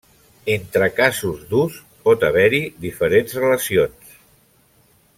Entre casos d'ús pot haver-hi diferents relacions.